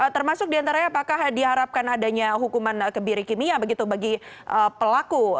termasuk diantaranya apakah diharapkan adanya hukuman kebiri kimia begitu bagi pelaku